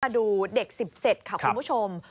ดูเด็ก๑๗ค่ะคุณผู้ชม